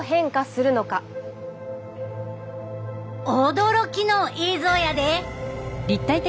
驚きの映像やで！